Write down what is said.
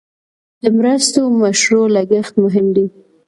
د مرستو مشروع لګښت مهم دی.